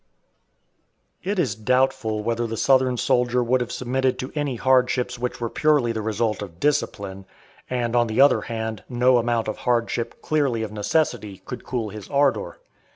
It is doubtful whether the Southern soldier would have submitted to any hardships which were purely the result of discipline, and, on the other hand, no amount of hardship, clearly of necessity, could cool his ardor.